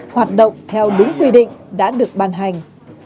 hoạt động theo đúng quy định đã được ban hành